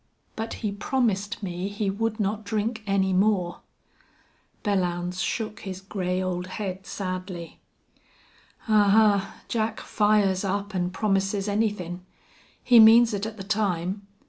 "But he promised me he would not drink any more." Belllounds shook his gray old head sadly. "Ahuh! Jack fires up an' promises anythin'. He means it at the time.